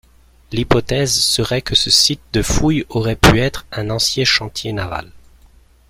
L'hypothèse serait que ce site de fouille aurait pu être un ancien chantier naval.